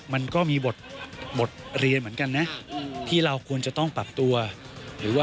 มันก็ต้องใช้การปรับตัวอยู่เยอะพอสมควรนะ